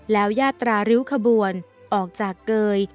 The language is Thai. แล้วยาตราริ้วขบวนออกจากเกย